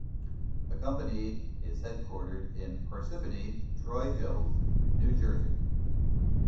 The company is headquartered in Parsippany-Troy Hills, New Jersey.